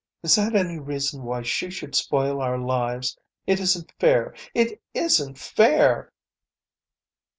Is that any reason why she should spoil our lives? It isn't fair. It isn't fair!"